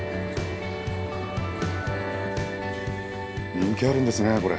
人気あるんですねこれ。